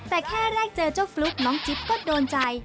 แต่แค่แรกเจอเจ้าฟลุ๊กน้องจิ๊บก็โดนใจ